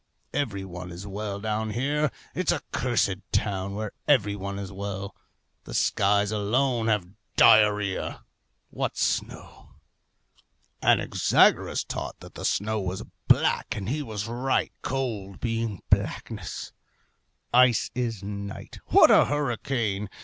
Every one is well down here. It's a cursed town, where every one is well! The skies alone have diarrhoea what snow! Anaxagoras taught that the snow was black; and he was right, cold being blackness. Ice is night. What a hurricane!